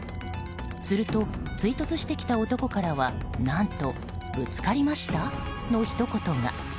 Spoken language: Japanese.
すると、追突してきた男からは何とぶつかりました？のひと言が。